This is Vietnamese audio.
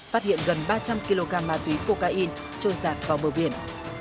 phát hiện gần ba trăm linh kg ma túy cocaine trôi giạt vào bờ biển